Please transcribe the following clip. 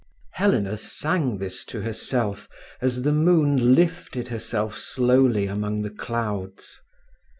Helena sang this to herself as the moon lifted herself slowly among the clouds.